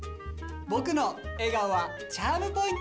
僕の笑顔はチャームポイント。